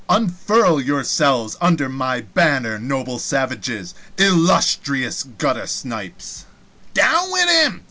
Unfurl yourselves under my banner, noble savages, illustrious guttersnipes " "Down wid him!"